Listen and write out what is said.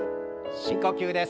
深呼吸です。